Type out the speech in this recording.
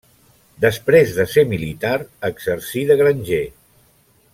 Després de ser militar, exercí de granger.